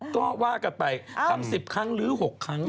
ก็ว่ากันไปทำ๑๐ครั้งหรือ๖ครั้ง